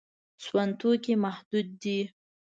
سون توکي محدود دي.